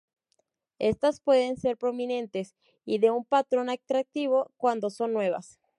Estas pueden ser prominentes y de un patrón atractivo cuando son nuevas.